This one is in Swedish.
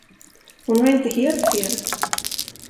Hon har inte helt fel.